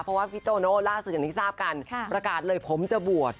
เพราะว่าพี่โตโน่ล่าสุดอย่างที่ทราบกันประกาศเลยผมจะบวช